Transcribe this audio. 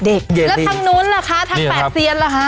เด็กแล้วทางนู้นล่ะคะทางแปดเซียนล่ะคะ